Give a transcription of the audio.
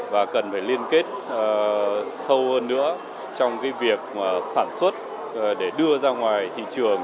và cần phải liên kết sâu hơn nữa trong việc sản xuất để đưa ra ngoài thị trường